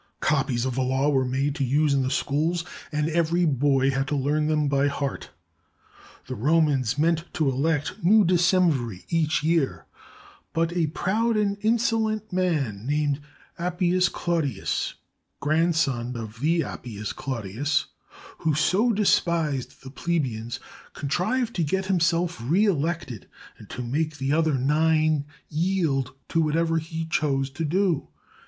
Copies of the laws were made to use in the schools, and every boy had to learn them by heart. The Romans meant to elect new decemviri each year, but a proud and insolent man named Appius Claudius, grandson of the Appius Claudius who so despised the plebeians, contrived to get himself reelected and to make the other nine yield to whatever he chose to do.